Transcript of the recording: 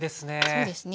そうですね。